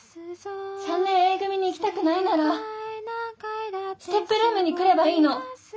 ・３年Ａ組に行きたくないならＳＴＥＰルームに来ればいいの。